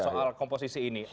soal komposisi ini